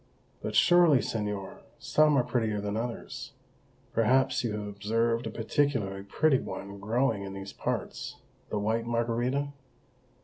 "But surely, señor, some are prettier than others. Perhaps you have observed a particularly pretty one growing in these parts the white margarita?"